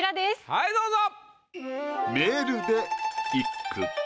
はいどうぞ。